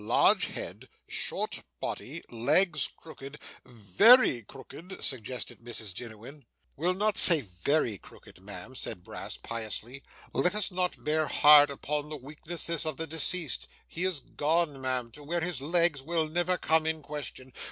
'Large head, short body, legs crooked ' 'Very crooked,' suggested Mrs Jiniwin. 'We'll not say very crooked, ma'am,' said Brass piously. 'Let us not bear hard upon the weaknesses of the deceased. He is gone, ma'am, to where his legs will never come in question.